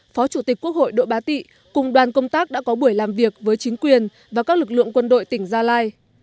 phó chủ tịch quốc hội độ bá tị cùng đoàn công tác đã có buổi làm việc với chính quyền và các lực lượng quân đội tỉnh gia lai